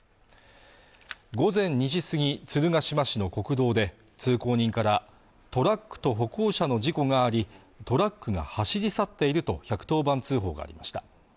午前２時過ぎ鶴ヶ島市の国道で通行人からトラックと歩行者の事故がありトラックが走り去っていると１１０番通報がありました